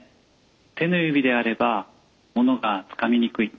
手の指であればものがつかみにくい。